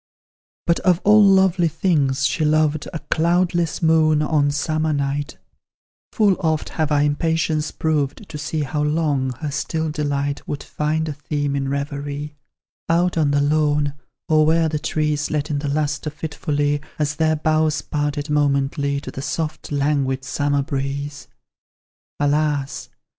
But of all lovely things, she loved A cloudless moon, on summer night, Full oft have I impatience proved To see how long her still delight Would find a theme in reverie, Out on the lawn, or where the trees Let in the lustre fitfully, As their boughs parted momently, To the soft, languid, summer breeze. Alas!